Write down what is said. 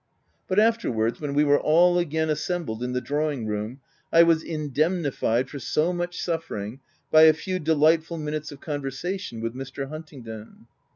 But afterwards, when we were all again assembled in the drawing room, I was indemnified for so much suffering by a few delightful minutes of conversation with Mr. Huntingdon.